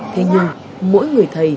thế nhưng mỗi người thầy